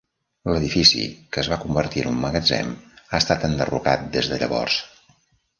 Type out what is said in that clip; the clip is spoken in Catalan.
L'edifici, que es va convertir en un magatzem, ha estat enderrocat des de llavors.